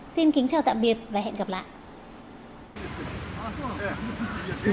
xin kính chào tạm biệt và hẹn gặp lại